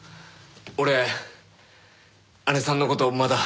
俺姉さんの事まだ。